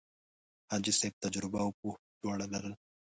حاجي صاحب تجربه او پوه دواړه لرل.